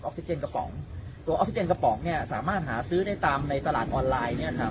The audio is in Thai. ซิเจนกระป๋องตัวออกซิเจนกระป๋องเนี่ยสามารถหาซื้อได้ตามในตลาดออนไลน์เนี่ยนะครับ